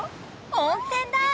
温泉だ！